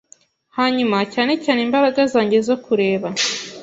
Hanyuma cyane cyane imbaraga zanjye zo kureba